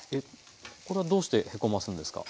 これはどうしてへこますんですか？